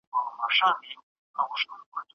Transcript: ¬ په يوه څاپېړه د سلو مخ خوږېږي.